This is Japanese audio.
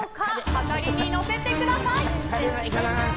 はかりに乗せてください！